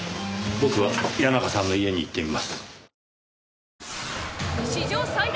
僕は谷中さんの家に行ってみます。